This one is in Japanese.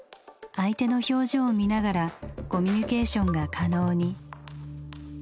相手の表情を見ながらコミュニケーションが可能に。